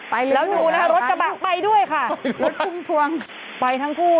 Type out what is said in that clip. ไปแล้วดูนะคะรถกระบะไปด้วยค่ะรถพุ่มพวงไปทั้งคู่